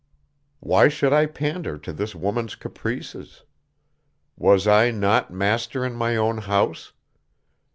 Why should I pander to this woman's caprices? Was I not master in my own house?